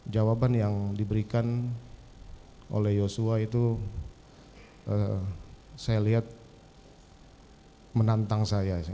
jawaban yang diberikan oleh yosua itu saya lihat menantang saya